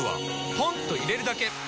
ポンと入れるだけ！